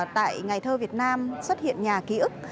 tại ngày thơ việt nam xuất hiện nhà ký ức